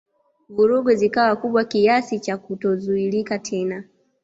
Vurugu zikawa kubwa kiasi cha kutozuilika tena